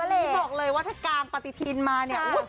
นี่บอกเลยว่าถ้ากางปฏิทินมาเนี่ย